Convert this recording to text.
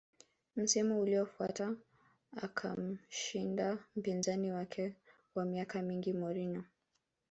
Msimu uliofuata akamshinda mpinzani wake wa miaka mingi Mourinho